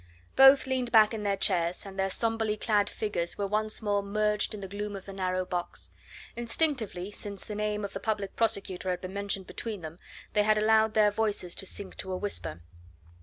Both leaned back in their chairs, and their sombrely clad figures were once more merged in the gloom of the narrow box. Instinctively, since the name of the Public Prosecutor had been mentioned between them, they had allowed their voices to sink to a whisper.